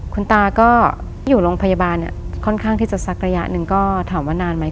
คุณตาก็อยู่โรงพยาบาลเนี่ยค่อนข้างที่จะสักระยะหนึ่งก็ถามว่านานไหม